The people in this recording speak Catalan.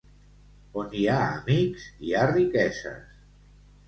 On hi ha amics, hi ha riqueses.